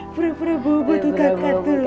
pura pura bobo tuh kakak tuh